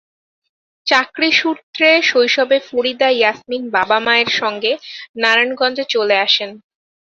চাকরি সূত্রে শৈশবে ফরিদা ইয়াসমিন বাবা-মায়ের সঙ্গে নারায়ণগঞ্জে চলে আসেন।